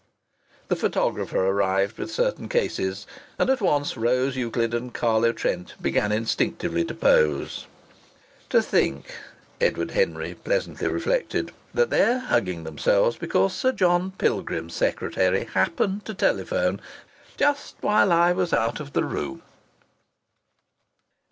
The photographer arrived with certain cases, and at once Rose Euclid and Carlo Trent began instinctively to pose. "To think," Edward Henry pleasantly reflected, "that they are hugging themselves because Sir John Pilgrim's secretary happened to telephone just while I was out of the room!"